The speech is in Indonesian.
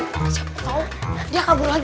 siapa tau dia kabur lagi